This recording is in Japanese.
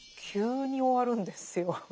急に終わるんですよ。